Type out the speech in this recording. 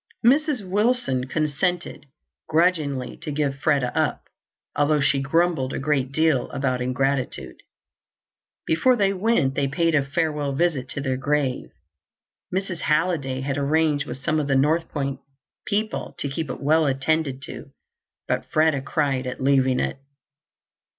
Mrs. Wilson consented grudgingly to give Freda up, although she grumbled a great deal about ingratitude. Before they went they paid a farewell visit to their grave. Mrs. Halliday had arranged with some of the North Point people to keep it well attended to, but Freda cried at leaving it.